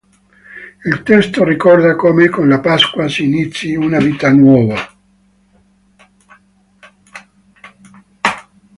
Il testo ricorda come con la Pasqua si inizi una vita nuova.